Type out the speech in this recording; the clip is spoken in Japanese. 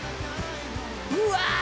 うわ！